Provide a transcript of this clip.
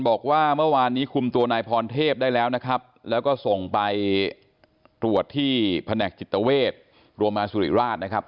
บอกว่าเมื่อวานนี้คุมตัวนายพรเทพได้แล้วนะครับแล้วก็ส่งไปตรวจที่แผนกจิตเวชโรงพยาบาลสุริราชนะครับ